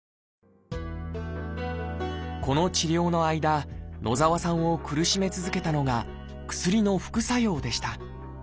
この治療の間野澤さんを苦しめ続けたのが薬の副作用でした。